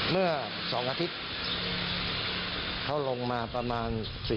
เมื่อ๒อาทิตย์เค้าลงมาประมาณ๔นาที